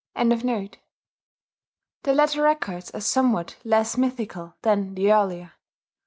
] The later records are somewhat less mythical than the earlier.